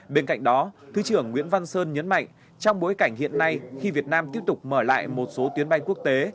bên cạnh đó thứ trưởng nguyễn văn sơn nhấn mạnh trong bối cảnh hiện nay khi việt nam tiếp tục mở lại một số tuyến bay quốc tế